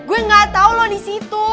gue gak tau lo disitu